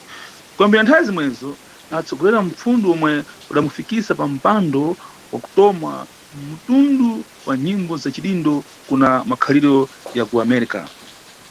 Kuyambira nthawe zimwezo adatsogolera nfunde omwe udamufikisa pampando wakutoma muntundu wa nyimbo za cidindo kuna makhaliro ya kuAmérica.